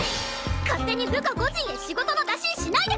勝手に部下個人へ仕事の打診しないでください！